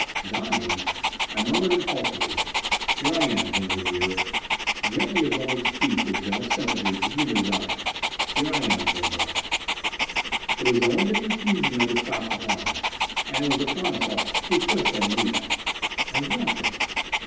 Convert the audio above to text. Dying? I murmured impulsively, "Here I am, Venza dear." Gently, as one would speak with gentle sympathy to humor the dying. "Here I am, Venza." But it was only the confusion of the shock upon her. And it was upon us all. She pushed at Anita. "I want him."